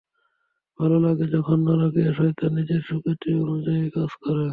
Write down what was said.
ভালো লাগে যখন নারকীয় শয়তান নিজের সুখ্যাতি অনুযায়ী কাজ করে।